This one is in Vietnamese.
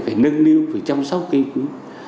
phải nâng niu phải chăm sóc cây quý